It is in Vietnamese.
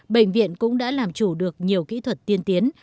bệnh viện cũng đã làm chủ được nhiều kỹ thuật tiên tiến